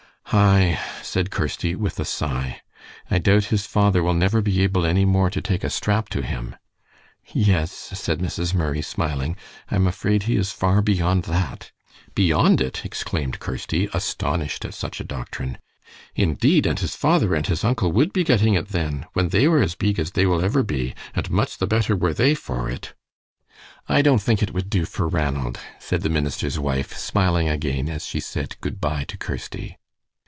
"Aye," said Kirsty, with a sigh, "I doubt his father will never be able any more to take a strap to him." "Yes," said Mrs. Murray, smiling, "I'm afraid he is far beyond that." "Beyond it!" exclaimed Kirsty, astonished at such a doctrine. "Indeed, and his father and his uncle would be getting it then, when they were as beeg as they will ever be, and much the better were they for it." "I don't think it would do for Ranald," said the minister's wife, smiling again as she said good by to Kirsty.